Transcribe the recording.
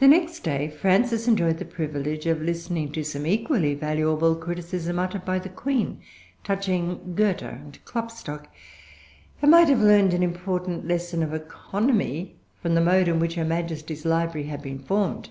The next day Frances enjoyed the privilege of listening to some equally valuable criticism uttered by the Queen touching Goethe and Klopstock, and might have learned an important lesson of economy from the mode in which her Majesty's library had been formed.